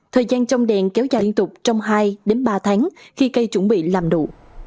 thời gian trồng đèn kéo dài liên tục trong hai đến ba tháng khi cây chuẩn bị làm đủ